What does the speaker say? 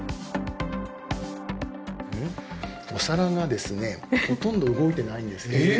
お皿がですねほとんど動いてないんですねええ！